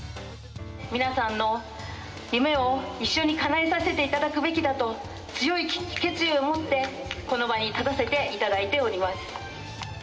皆さんの夢を一緒にかなえさせていただくべきだと、強い決意を持って、この場に立たせていただいております。